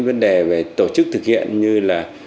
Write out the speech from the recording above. vấn đề về tổ chức thực hiện như là